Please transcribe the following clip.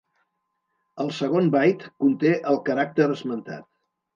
El segon byte conté el caràcter esmentat.